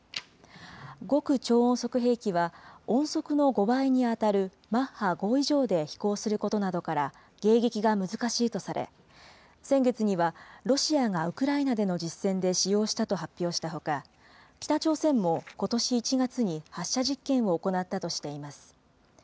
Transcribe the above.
極超音速兵器は、音速の５倍に当たるマッハ５以上で飛行することなどから、迎撃が難しいとされ、先月には、ロシアがウクライナでの実戦で使用したと発表したほか、北朝鮮もことし１月に発射実験を行ったとしています。